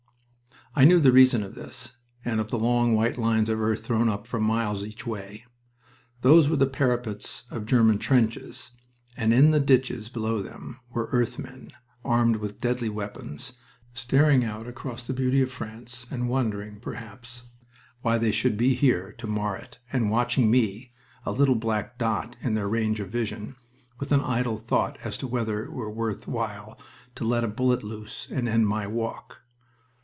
I knew the reason of this, and of the long white lines of earth thrown up for miles each way. Those were the parapets of German trenches, and in the ditches below them were earth men, armed with deadly weapons, staring out across the beauty of France and wondering, perhaps, why they should be there to mar it, and watching me, a little black dot in their range of vision, with an idle thought as to whether it were worth their while to let a bullet loose and end my walk.